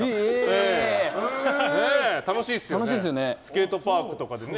楽しいですよね。